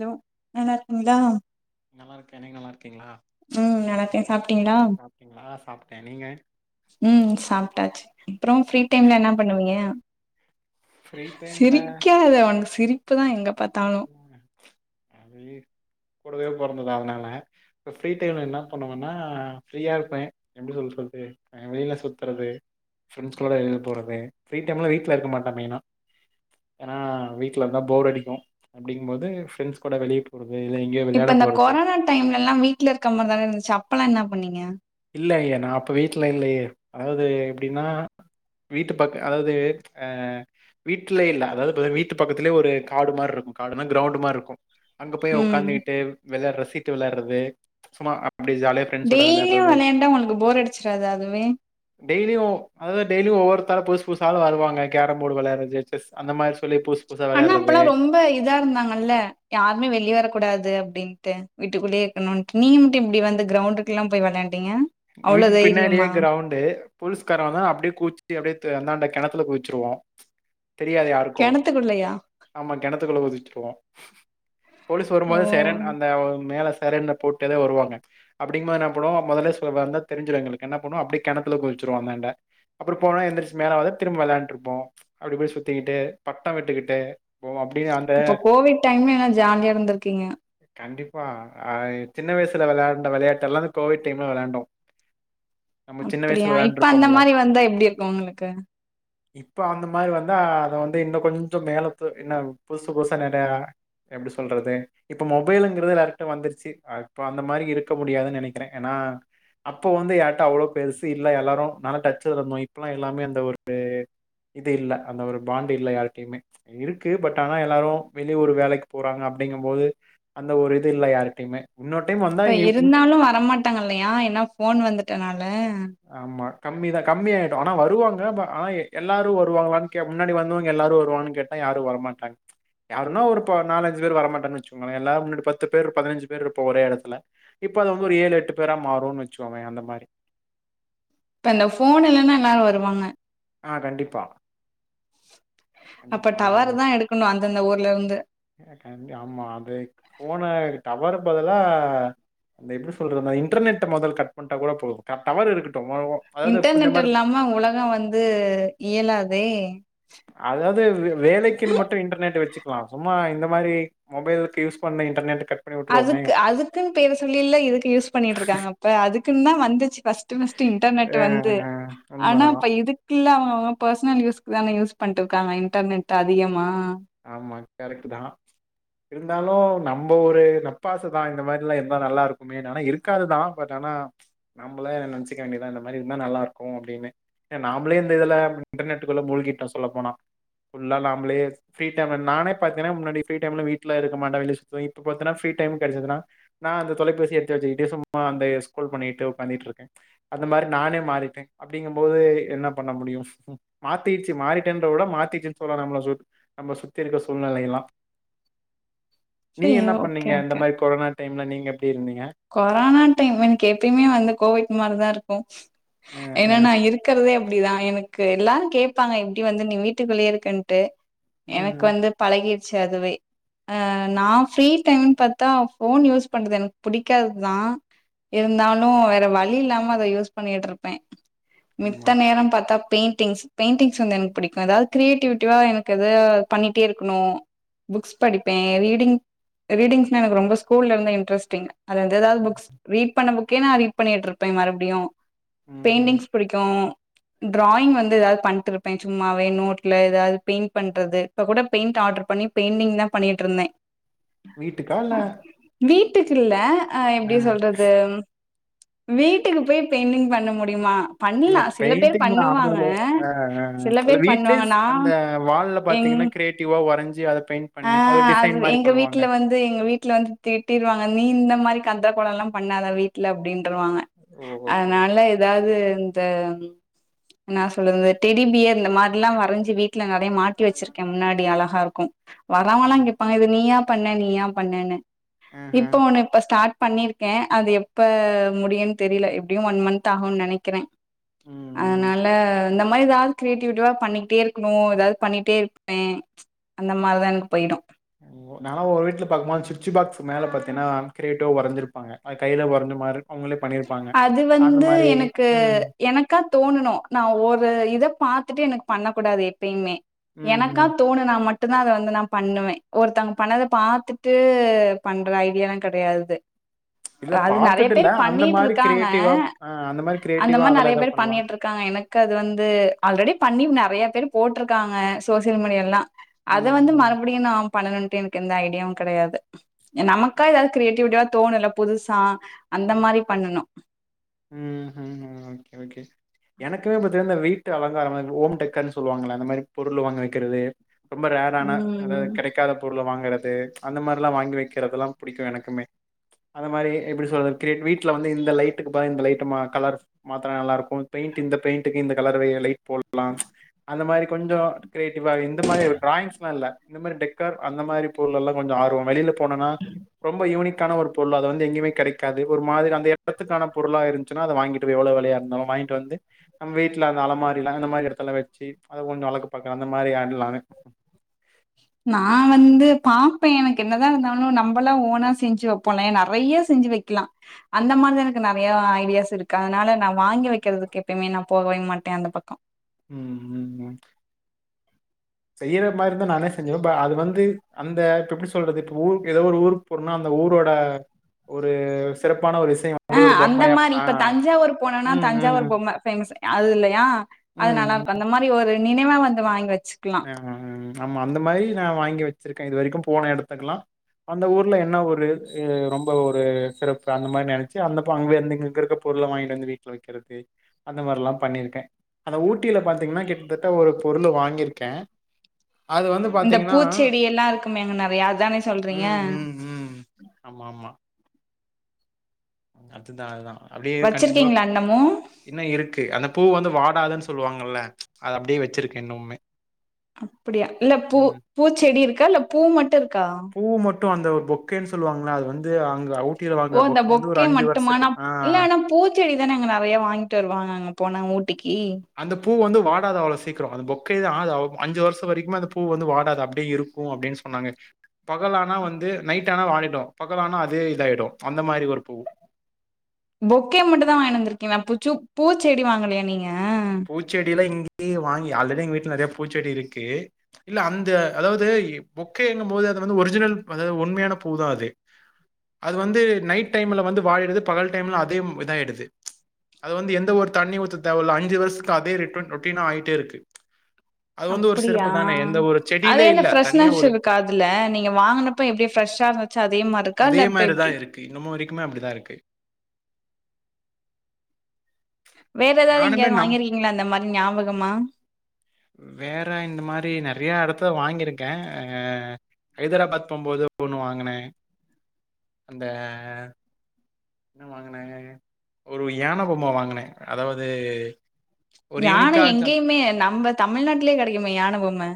Hello நல்லாருக்கிங்ளா நல்லா இருக்கே நீங்க நல்லா இருக்கீங்களா ம் நல்லாருக்கே சாப்டீங்ளா சாப்ட்டீங்களா சாப்ட்டே நீங்க ம் சாப்டாச்சி அப்றோ ஃப்ரீ டைம்ல என்ன பண்ணுவீங்க ஃப்ரீ சிரிக்காத ஒன்- சிரிப்பு தா எங்கப் விடுங்க [unintelligible] கூடவே பொறந்தது அதனால இப்ப ஃப்ரீ டைம்ல என்ன பண்ணுவன்னா ஃப்ரீயா இருப்பே, எப்டி சொல்றது வெளில சுத்தறது, ஃப்ரெண்ட்ஸ் கூட வெளில போறது, ஃப்ரீ டைம்ல வீட்டு்ல இருக்க மாட்டே மெயினா ஏனா வீட்ல இருந்தா போர் அடிக்கு அப்டிங்கு போது ஃப்ரண்ட்ஸ் கூட வெளிய போற இப்ப இந்த கொரோனா டைம்லல்லா வீடலருக்க மாரிதானருந்துச்சி அப் அப்பல்லா என்னா பண்ணீங்க? இல்லயே நா அப்ப வீட்டுல இல்லயே அதாவ்து எப்டின்னா வீட்டு பக்க அதாவ்து அ வீட்டுல இல்ல அதாது வீட்டு பக்கத்துலயே ஒரு காடு மார் இருக்கு, காடுன்னா கிரௌண்டு மார் இருக்கு அங்க போய் ம் உட்காந்து கிட்டு விளையார சிட் டு விளாற்றது சும்மா அப்டியே ஜாலியா ஃப்ரெண்ட்ஸோட டெய்லியு விளையாடுறது. விளையாண்டா ஒன் போர் அடிச்சிராதா அதுவே டெய்லியு அதாது டெய்லியு ஒவ்வொருத்தரா புதுசு புதுசா ஆள் வருவாங்க கேரம் போர்டு வெளையாற்றது செஸ் அந்த மாரி சொல்லி புதுசு புதுசா அண்ணா விளையாடுறது. அப்பல்லா ரொம்ப இதா இருந்தாங்கல்ல, யாருமே வெளிய வரக்கூடாது அப் டின்ட்ட வீட்டுக்குள்ளயே இருக்கனுட்டு நீ மட்டு எப்டி வந்து கிரௌண்டுக்குல்லா போய் வெளையாண் வீட்டுக்கு பின்னாடியே கிரௌண்டு பொலீஸ்கார வந்தான அப்படியே [inaudible] அப்படியே து அந்தாண்ட கிணத்துல குதிச்சிருவோ தெரியாது யாருக்கு கெணத்துக்குள்ளயா நம்ம கிணத்துகுள்ள குதிச்சுருவோ போலீஸ் வரும்போதே ஓ சைரன் அந்த அ, மேலஸ் சைரன்ன போட்டேதா வருவாங்க அப்டிங்போ என்னா பண்வோ மொதல்லேஸ் ப்ப வந்தா தெரிஞ்சிடு எங்களுக்கு என்னா பண்ணுவோ அப்டே கெணத்துல குதிச்சிருவோ அந்தாண்ட, அப்ற போனா எந்திரிச்சி மேல வத திரும்ப வெளாண்ட்ருப்போ ப்ச் அப்டி போய் சுத்திகிட்டு பட்டோ விட்டுகிட்டு அப்போ கோவிட் டைம் எல்லா ஜாலியா இருந்துருக்கீங்க ப்பா, ஆ, சின்ன வயசுல வெளயாண்ட வெளையாட்டு எல்லா இந்த கோவிட் டைம் ல வெளாண்டோ அப்டியா இப்ப அந்த மாரி வந்தா எப்டி இருக்கு, உங்ளுக்கு இப்ப அந்த மாரி வந்தா அத வந்து இன்னு கொஞ்சோ மேலத்து இன்னு புசு புசா நெறயா எப்டி சொல்றது இப்போ மொபைலுங்கறது எல்லார்கிட்ட வந்துருச்சி அ இப்போ அந்த மாரி இருக்க முடியாதுன் நெனெக்றே. ஏனா அப்போ வந்து யார்ட்ட அவ்ளோ பெருசு இல்ல எல்லாரு நல்லா டச்லருந்தோ இப்பலா எல்லாமே அந்த ஒரு இது இல்ல அந்த ஒரு பாண்டு் இல்ல யார்டையுமே இருக்கு பட் ஆனா எல்லாரு வெளியூரு வேலைக்கு போறாங்க அப்டிங்கு போது அந்த ஒரு இது இல்ல யார்கிட்டயுமே இப்ப இருந்தாலு வரமாட் டாங்கல்லயா ஏன்னா ஃபோன் வந்துட்டனால் ல கம்மிதா கம்மி ஆயிடு ஆனா வருவாங்க ப ஆனா எல்லாரு வருவாங்களான் கே முன்னாடி வந்தவங்க எல்லாரு வருவாங்கனு கேட்டா யாரு வரமாட்டாங்க யாருன்னா ஒரு ப நாலஞ்சு பேரு வரமாட்டாங்கனு வெச்சுகோங்களே எல்லாரு முன்னாடி பத்து பேர் ஒரு பதினஞ்சு பேர் இருப்போ ஒரே எடத்துல இப்ப அது வந்து ஒரு ஏழு எட்டு பேரா மாறுனு வெச்சுகோங்கயே அந்த மாரி இப்ப இந்த ஃபோன் இல்லனா எல்லாரு வருவாங்க ஆ கண்டிப்பா அப்ப கண்டிப்பா அதுங்க டவருதா எடுக்கணு அந்தந்த ஊர் லந்து கண்டி பதுலா அந்த எப்டி சொல்றது அந்த இன்டர்நெட்ட மொதல் கட் பண்ட்டா கூட போது டவர் இரு இன்டர்நெட் இல்லாம உலகோ வந்து இயலாது தே அதாவது வே வேலைக்குன்னு மட்டு இன்டர்நெட் வெச்சுக்கலா சும்மா இந்த மாரி மொபைல்க்கு யூஸ் பண்ணி இன்டர்நெட் கட் பண்ணி விட்டுருவோமே அதுக் அதுதுக்குன்னு பேர சொல்லீயல்ல இதுக்கு யூஸ் பண்ணிட்டு இருக்காங்க இப்ப அதுக்குன்தா வந்துச்சு ஃபர்ஸ்ட் ஃபர்ஸ்ட் இன்டர்நெட் ஆ வந்து ஆ ஆனா உண்மதா இப்ப இதுக்கில்லா வ அவுங்க ப்ர்ஸ்னல் யூஸ்க்குதான யூஸ் பண்ட்டுருக்காங்க இன்டர்நெட் அதிகமா ஆமா கரெக்ட்டுதா இருந்தாலு நம்ப ஒரு நப்பாச தா இந்த மாரிலா இருந்த நல்லா இருக்குமேனு ஆனா இருக்காது தா பட் ஆனா நம்பளே நெனச்சிக்க வேண்டி தா இந்த மாரி இருந்தா நல்லா இருக்கு அப்டினு ஏ நாம்ளே இந்த இதுல இன்டர் நெட்டுக்குள்ள மூழ்கிட்டோ சொல்ல போனா ஃபுல்லா நாம்ளே ஃப்ரீ டைம்ல நானே பாத்தீனா முன்னாடி ஃப்ரீ டைம்ல வீ்ட்ல இருக்க மாட்ட வெளிய சுத்துவே இப்ப பாத்தினா ஃப்ரீ டைம் கெடச்சுதுனா நா அந்த தொலைபேசிய எடுத்து வெச்சுகிட்டு சும்மா அந்த ஸ்க்ரோல் பண்ணிட்டு உக்காந்துகிட்டு இருக்க அந்த மாரி நானே மாறிட்ட அப்டிங்கும்போது என்னா பண்ண முடியு மாத்திடுச்சு மாறிட்டேன்றத விட மாத்திட்டுச்சுனு சொல்லலா நம்ள சு நம்ப சுத்தி இருக்க சூழ்நிலைகளெல்லா நீ சரி என்ன ஓகே பண்ணீங்க ஓகே இந்த மாரி கொரன டைம்ல நீங்க எ கொரோனா டைம் எனக் எப்யுமே வந்து கோவிட் மாரிதா இருக் கு ஆஹ ஏன்னா நா இருக்கறதே அப்டிதா எனக்கு எல்லாரு கேப்பாங்க எப்டி வந்து நீ வீட்டுக்குள்ளயே இருக்கன்ட்டு எனக்கு ம் வந்து பழகிரு ச்சு அதுவே ஆ நா ஃப்ரீ டைமுன் பாத்தா ஃபோன் யூஸ் பண்றது எனக் புடிக்காதுதா இருந்தாலு வேற வழி இல்லாம அத யூஸ் பண்ணியிட்ருப்ப ஆமா [unintelligible] பெய்ண்டிங்ஸ் பெய்ண்டிங்ஸ் வந்து எனக்கு புடிக்கு ஏதாவ்து க்ரியேட்டிவிட்டிவா எனக்கு எதா பண்ணிட்டே இருக்குணு புக்ஸ் படிப்பே ரீடிங் ரீடிங்ஸ்னா எனக்கு ரொம்ப ஸ்கூல்ல இருந்தே இன்ட்ரெஸ்ட்டிங் அதுந்தேதாவது புக்ஸ் ரீட் பண்ண புக் கே நா ரீட் பண்ணியிட்ருப்பே மறுப்டியு ம்ஹ்ம். பெயிண்ட்டிங்ஸ் புடிக்கு ட்ராயிங் வந்து எதாவ் பண்ட்ருப்பே சும்மாவே நோட்ல ஏதாது பெயிண் பண்றது இப்பக் கூட பெயிண்ட்டு ஆட்ரு பண்ணி பெய்ண்டிங் தா பண்ணியிட்ருந்தே வீட்டுக்கா இல்ல ட்டுக்கில்ல ல ஆ அ எப்டி சொல்றது வீட்டுக்கு போய் பெய்ண்டிங் பண்ண முடியுமா? இல்ல பண்லா சில பேர் பெயிண்டிங்ல ஆன பண்ணுவாங்க ஆஹ் சில அல்ல பேர் வீட்லயே பண்ணுவாங்க நா அந்த வால்ல எங் பாத்தீங்கன்னா கிரியேட்டிவா வரஞ்சி அத பெயிண்ட் ஆ பண்ணி அத அது டிசைன் மாரி எங்க பண்ணுவாங்க. ங்க நீ இந்த மாரி கந்தக் கோலல்லா பண்ணாத வீட்ல அப்டின் ட்ருவாங்க ஓ ஓகே ஓகே. அதனால ஏதாவ்து த ம் என்னா சொல்றது இந்த டெடி பியர் இந்த மாரில்லா வரஞ்சு வீட் ல நறைய மாட்டி வச்சிருக்கே முன்னாடி அழகா இருக் வரவல்லா ம் கேப்பாங்க இது நீயா பண்ண நீயா பண்ணன்னு ஆஹ இப்ப உன ஸ்டார்ட் பண்ணிருக்கே அது எப்ப முடியுன் தெரில எப்டியு ஒன் மந்த் ஆகும்ன் நெனைக்கிற ம் ம். அதனால அந்த மாரி எதாவுது கிரியேட்டிவிட்டிவா பண்ணிகிட்டே இருக்கணு ஏதாவுது பண்ணிட்டே இருப்பே அந்த மார்தா எனக்கு போய்டு ஒ நாலா ஒரு வீட்ல பாக் போது சுட்சி பாக்ஸ்ஸு மேல பாத்தீன்னா‌ கிரியேட்டிவ்வா வரஞ்ஜிருப்பாங்க அது கையில வரஞ்ச மார் அது வந்து எனக்கு ம் எனக்காத் தோணுனு நா ஒரு இத பாத்துட்டு எனக்கு பண்ண கூடாது எப்பயுமே. ம்ஹ்ம். எனக்காத் தோணுனா மட் மட்டுதா அதை வந்து நான் பண்ணுவேன். ஒருத்தவங் பண்ணதை பாத்துட்டு பண்ற ஐடியாலா கிடையாது. இல்ல பாத்துட்டில்ல அந் பண்ணிட்ருக்காங்க அந்த கிரியேட்டிவா மாரி அதெல்லாம் நெறைய எதா பேரு பண்ணலாம். பண்ணிட்ருக்காங்க எனக்கு அது வந்து ஆல்ரெடி பண்ணி நெறைய பேரு போட்டுருக்காங்க சோசியல் மீடியால்லா அது ம், வந்து ம், மறுபடியு நா பண்ணணுன் டு எனக்கு எந்த ஐடியாவு கெடையாது நமக்கா எதாது கிரியேடிவிட்டியா தோணுல்ல புதுசா அந்த ம். மாரி பண்ணனு ம்ஹ்ம். Okay, okay. எனக்குமே பாத்தாந்த வீட்டு அலங்காரம் ஓம் டெக்கர்னு சொல்லுவாங்கல்ல அந்த மாரி பொருள் வாங்க வக்கிறது ரொம்ப ரேரான ம். அதாவது கெடைக்காத பொருள வாங்குற து அந்த மாரியெல்லா வாங்கி வக்கிறதுலா புடிக்கு எனக்குமே, அந்த மாரி எப்புடி சொல்ற கிரேட் வீட்ல வந்து இந்த லைட்டுக்கு ப இந்த லைட்டு மா கலர் மாத்துனா நல்லா இருக்கும், பெயிண்ட்டு இந்த பெயிண்ட்டுக்கு இந்த கலர் லைட் போல்லா, ப்ச் அந்த மாரி கொஞ்சொ கிரியேட்டிவா இந்த மாரி டிராயிங்ஸ்ல்லா இல்ல இந்த மாரி டெக்கார் அந்த மாரி பொருளெல்லா கொஞ்சொ ஆர்வொ வெளில போனனா ரொம்ப யூனிக் கான ஒரு பொருள் அத வந்து எங்கயுமே கெடைக் காது ஒரு மாதிரி அந்த எடத்துக்கான பொருளா இருந்ச்சுன்னா அத வாங்கிட்டு் வ எவ்ளொ வெலயா இருந்தாலு வாயின்ட்டு வந்து நம் வீட்ல அந்த அலமாறில அந்த மாரி எடத்துல வச்சி அத கொஞ்சொ அழகு பாக்க அந்த மாரி ஆள் நானு நா வந்து பாப்பே எனக்கு என்னதா இருந்தாலு நம்பளா ஓனா செஞ்சு வெப்போல்லயா நெறையா செஞ்சு வெக்லா, அந்த மாதி எனக்கு நெறையா ஐடியாஸ் இருக்கு, அதனால நா வாங்கி வெக்கிறதுக்கு எப்பமே நா போகவே மாட்டே அந்த பக்கொ உஹ்ம் உம் உம் செய்யற மாரிந்தா நானே செஞ்சுருவே, ப அது வந்து அந்த இப்பெப்டி சொல்றது இப்ப ஊருக் எதோ ஒரு ஊருக் போறனா அந்த ஊரோட ஒரு சிறப் ஆஹ் அந்த மாரி இப்ப தஞ்சாவூர் போனோனா ம், ம், தஞ்சாவூர் பொம்ம ஃபேமசு அதுலையா அது ம், நல்லாருக்கு அந்த மாரி ஒரு நினைவா வந்து வாங்கி வெ ஆ ம் ஆமா அந்த மாரி நா வாங்கி வச்சிருக்க, இது வரைக்கும் போன எடத்துக்ல்லா அந்த ஊர்ல என்ன ஒரு இ ரொம்ப ஒரு சிறப்பு அந்த மார் நெனச்சு அந்தப்ப அங்வே ந்து இங்கிருக்க பொருள வாய்ங்ட்டு வந்து வீட்ல வெக்கறது, அந்த மார்லாம் பண்ணிருக்கே, அந்த ஊட்டில பாத்தீங்னா கிட்டத்தட்ட ஒரு பொருள வாங்கிருக் க்கே இந்த பூச்செடி எல்லாருக்குமேங்க நறையா அதானே சொல்றீங்க ம் ம் ம் ஆமா ஆமா அதுதா அதான் அப்புடியே கண்டின்யூவா வச்சிருக்கீங்களா இன்னமு இன்னு இருக்கு அந்த பூ வந்து வா டாதுன் சொல்லுவாங்கல்ல, அத அப்டியே வச்சிருக்கே இன்னுமே அம் அப்புடியா இல்ல பூ ம் பூச்செடி இருக் கால்ல பூ மட்டு இருக் பூ மட் டு அந்த ஒரு பொக்கேன் சொல்லுவாங்கல்ல அது வந்து அங்க அவுட் ஓ அந்த பொக்கே மட்டுமா நாப் இல்ல நா பூச்செடி தான அங்க நெறைய வாங்கிட்டு வருவாங்க அங்க போனா ஊட் டிக்கி அந்த பூ வந்து வாடாது அவ்ளொ சீக்கிரொ, அந்த பொக்கேது ஆது அவ் அஞ்சு வருஷ வரைக்குமே அந்த பூ வந்து வாடாது அப்டே இருக்கும் அப்டின் சொன்னாங்க பகலானா வந்து நைட் ஆனா வாடிடும் பகலானா அதே இதாயிடும் அந்த மாரி ஒரு பூ பொக்கே மட்டுந்தா வாங்ட் வந்துருக்கிளா புச்சு பூச்செடி வாங்கலையா நீங்க பூச்செடிலா இங் எ வாங்கி ஆல்ரெடி எங்க வீட்ல நெறைய பூச்செடி இருக்கு இல்ல அந்த அதாவது இ பொக்கேங்கம்போது அத வந்து ஒரிஜினல் அதாவ்து உண்மையான பூதா அது, அது வந்து நைட் டைம்ல வந்து வாடிடுது பகல் டைம்ல அதே ம் இதாயிடுது, ப்ச் அது வந்து எந்த ஒரு தண்ணி ஊத்த தேவல்ல, அஞ்சு வருஷ் த்துக்கு அதே ரிட்டன் ரொட்டீனா ஆயிட்டே இருக்கு அது வந்து ஒரு அப்டியா சிறப்பு தானே எந்த ஒரு செடியிலே அதேந்த இல்ல தனியா ஃப்ரெஷ்னஸ் ஒரு இருக்காதுல நீங்க வாங்கினப்ப எப்டி ஃப்ரெஷ்ஷா இருந்துச்சா அதே மாரி இருக்கா அதே இல்ல இப்ப மாதிரி எப்படி தான் இருக்கு இன்னமும் வரைக்குமே அப்படிதான் இருக்கு வேற நானுமே ஏதாவதுங்கயாவது நம் வாங்கிருங்க் வேற இந்த மாரி நிறைய இடத்து அப்போ வாங்கிருக்கே ஆ ஹைதராபாத் போம்போது ஒண்ணு வாங்கினே அந்த என்ன வாங்குநாங்க ஒரு யான பொம்ம வாங்கினே அதாவது. ஒரு யானை யூனிக்கா இருந்துச்சு அந்த- எங்கேயுமே நம்ம தமிழ்நாட்டுலயே கெடைக்குமே யான பொம்ம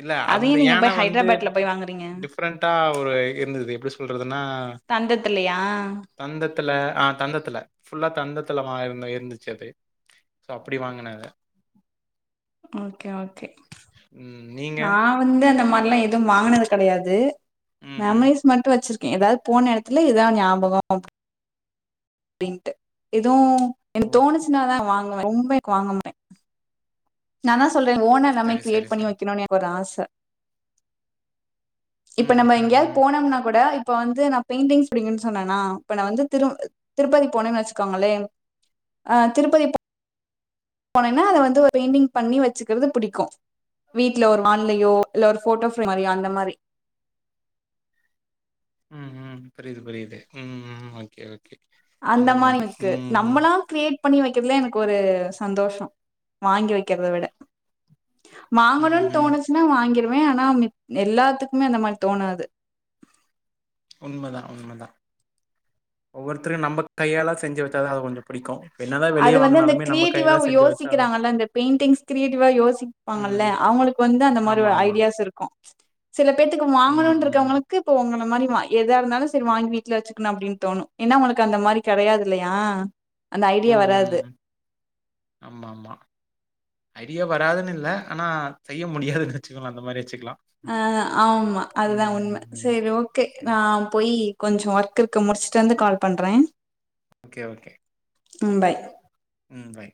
இல்ல அதையு அந்த நீங்க யானை போய் வந்து ஹைதராபாத்ல போய் வாங்குறீங்க டிஃப்ரெண்டா ஒரு இருந்தது எப்படி சொல்றதுன்னா தந்தத்துலையா. த்துல ஆஹ் தந்தத்துல ஃபுல்லா தந்தத்துல வா இருந்துச்சு அது சோ அப்டி வாங்கின அத ஓகே ஓகே. நீங்க நா வந்து அந்த மாரிலாம் எதுவும் வாங்கினது கிடையாது ம்ஹ்ம். மெமரீஸ் மட்டு வச்சி ஏதாது போன இடத்துல இததான் ஞாபகம் அப்படின்ட்டு எதுவும் எனக் ஓகே. தோணுச்சுன்னா தா வாங் [unintelligible] ரொம்பேக் வாங்கமட்டோ. நாந்தா ஸ் சொல்றிங்களா ஓன நம்ம சரி, கிரியேட் சரி, பண்ணி சரி. வெக்கனு எனகு ஒரு ஆச ச இப்ப ம், நம்ம ம், எங்கயாவது ம். போனோம்னா கூட இப் இப்ப வந்து நா பெயிண்டிங்ஸ் புடிக்குன்னு சொன்னனா இப்ப நா வந்து திரு திருப்பதி போனன்னு வச்சுக்கோங்களே அஹ் திருப்பதி போ போனேன்னா அத வந்து ஒரு பெயிண்டிங் பண்ணி வச்சுக்கறது புடிக்கூ வீட்டுல ஒரு மா இல்லயோ இல்ல ஒரு போட்டோ [unintelligible] அந்த மாரி. உம் உம் பரியுது புரியுது உம் உ ஓகே ஓகே அந்த மாரி இருக்கு நம்மலா கிரியேட் பண்ணி வைக் [unintelligible] எனக்கு ஒரு சந்தோஷோ வாங்கி வைக்கிறத விட. வாங்கணுன் ம்ஹ்ம். தோணுச்சுன்னா வாங்கிருவ. லோ ஆனா எல்லாத்துக்குமே அந்த மாரி தோணாது உண்மதா உண்மதா ஒவ்வொருத்தரையு நம்ம கையால செஞ்சு வைச்சாதா அது கொஞ்சோ அது வந்து அந்த கிரியேட்டிவா கையால செஞ்சு வச்சா யோசிக்கிறாங்கல்ல அந்த பெயிண்டிங்ஸ் கிரியேட்டிவா ம். யோசிப்பாங்கல்ல அவங்களுக்கு வந்து அந்த மாரி ஒரு ஆமாமா. ஐடியாஸ் இருக்கூ சில பேத்துக்கு ம், வாங்கணும்னு ம். இருக்கவங்களுக்கு இப்போ உங்கள மாரி மா எதா இருந்தாலு சரி வாங்கி வீட்டுல வச்சுக்கணு அப்டின்னு தோணு ஏன்னா ஒனக்கு அந்த மாரி கெடையாது இல்லையா அந்த ஐடியா ம், வராது ம். ஆமாமா. ஐடியா வராதுன்னு இல்ல ஆனா செய்ய முடியாதுன்னு வெச்சுக்கலா அந்த மாரி வச்சுக்கலா ஆஹ் ஆமா அதுதான் உண்மை ம். சரி ஓகே சரி. நான் போய் கொஞ்சம் ஒர்க் முடிச்சுட்டு வந்து கால் பண்றேன் ஓகே ஓகே ம் பாய் உம் பாய்